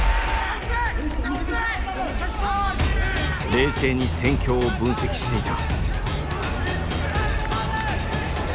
冷静に戦況を分析していた。